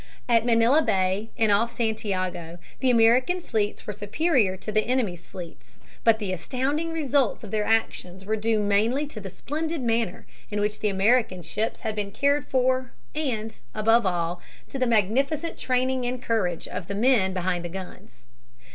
At Manila Bay and off Santiago the American fleets were superior to the enemy's fleets. But the astounding results of their actions were due mainly to the splendid manner in which the American ships had been cared for and, above all, to the magnificent training and courage of the men behind the guns.